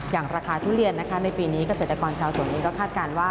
อย่างราคาทุเรียนนะคะในปีนี้เกษตรกรชาวสวนเองก็คาดการณ์ว่า